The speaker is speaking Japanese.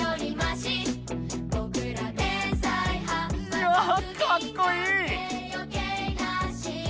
いやかっこいい！